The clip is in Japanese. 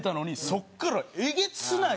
そこからえげつない。